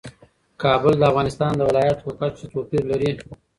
کابل د افغانستان د ولایاتو په کچه توپیر لري.